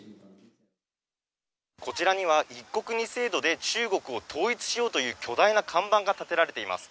こちらには、一国二制度で中国を統一しようという巨大な看板が建てられています。